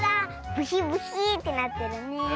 ブヒブヒーってなってるね。